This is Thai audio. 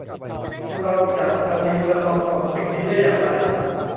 เราจะประนีประนอมสองสิ่งนี้ได้อย่างไร